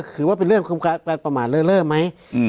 คือว่าเป็นเรื่องของการประมาทเล่อไหม